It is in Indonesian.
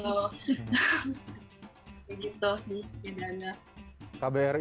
begitu sih sebenarnya